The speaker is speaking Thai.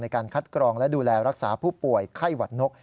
การคัดกรองและดูแลรักษาผู้ป่วยไข้หวัดนก